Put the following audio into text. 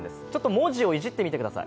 文字をいじってみてください。